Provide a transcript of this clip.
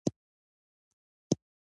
په افغانستان کې دریابونه شتون لري.